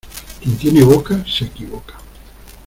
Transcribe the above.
Quien tiene boca se equivoca.